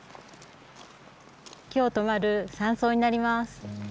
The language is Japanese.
今日泊まる山荘になります。